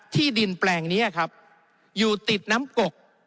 ที่ดินแปลงนี้ครับอยู่ติดน้ำกก